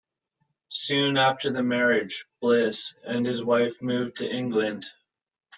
Soon after the marriage, Bliss and his wife moved to England.